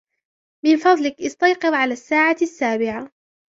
من فضلك ، استيقظ على الساعة السابعة.